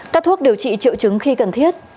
các thuốc điều trị triệu chứng khi cần thiết